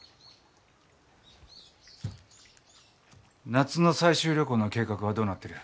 夏の採集旅行の計画はどうなってる？